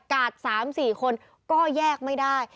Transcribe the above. กาด๓๔คนก็แยกไม่ได้